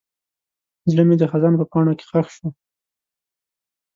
زړه مې د خزان په پاڼو کې ښخ شو.